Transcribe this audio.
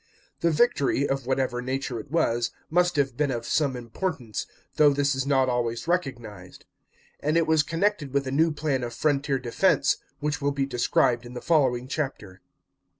The victory, of whatever nature it was, must have been of some importance, though this is not always recognised ; and it was connected with a new plan of frontier defence, which will be described in the following chapter.